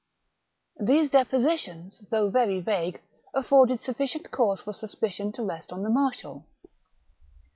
These depositions, though very vague, afforded suflBcient cause for suspicion to rest on the marshal.